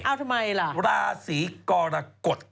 เอาทำไมล่ะราศีกรกฎ